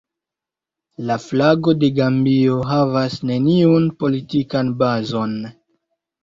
La flago de Gambio havas neniun politikan bazon.